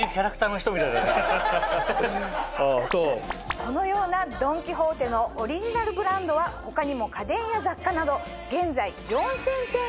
このようなドン・キホーテのオリジナルブランドは他にも家電や雑貨など現在。